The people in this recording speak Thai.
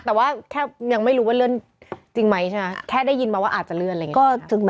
แต่ว่าแค่ยังไม่รู้ว่าเลื่อนจริงไหมใช่ไหมแค่ได้ยินมาว่าอาจจะเลื่อนอะไรอย่างนี้